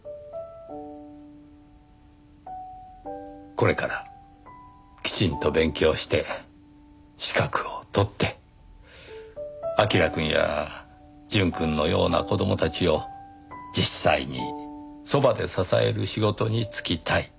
これからきちんと勉強して資格を取って彬くんや淳くんのような子供たちを実際にそばで支える仕事に就きたい。